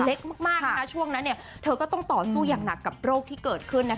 เล็กมากช่วงนั้นเธอก็ต้องต่อสู้อย่างหนักกับโรคที่เกิดขึ้น